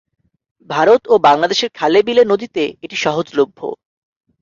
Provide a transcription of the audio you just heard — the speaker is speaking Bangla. ভারত ও বাংলাদেশের খালে বিলে নদীতে এটি সহজলভ্য।